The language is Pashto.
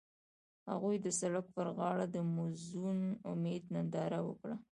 هغوی د سړک پر غاړه د موزون امید ننداره وکړه.